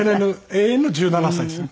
永遠の１７歳ですね。